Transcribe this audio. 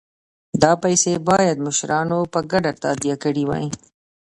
دا پیسې باید مشرانو په ګډه تادیه کړي وای.